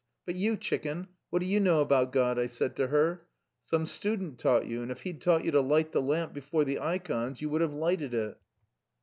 But you, chicken, what do you know about God, I said to her. 'Some student taught you, and if he'd taught you to light the lamp before the ikons you would have lighted it.'"